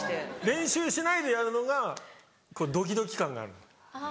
練習しないでやるのがドキドキ感がある。